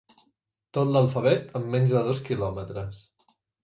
Tot l'alfabet en menys de dos quilòmetres.